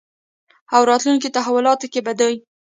او راتلونکې تحولاتو کې به دوی